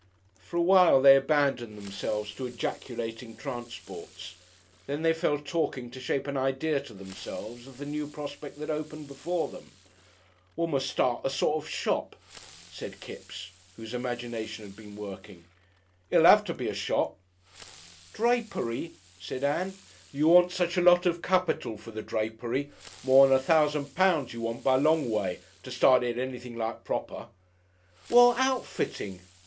For a while they abandoned themselves to ejaculating transports. Then they fell talking to shape an idea to themselves of the new prospect that opened before them. "We must start a sort of shop," said Kipps, whose imagination had been working. "It'll 'ave to be a shop." "Drapery?" said Ann. "You want such a lot of capital for the drapery, mor'n a thousand pounds you want by a long way to start it anything like proper." "Well, outfitting.